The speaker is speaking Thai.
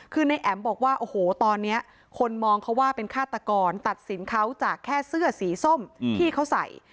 คือในแอ๋มบอกว่าโอ้โหตอนนี้คนมองเขาว่าเป็นฆาตกรตัดสินเขาจากแค่เสื้อสีส้มที่เขาใส่